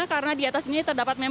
karena di atas ini terdapat jembatan